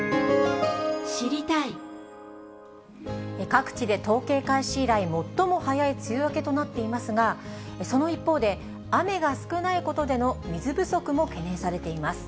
各地で統計開始以来、最も早い梅雨明けとなっていますが、その一方で、雨が少ないことでの水不足も懸念されています。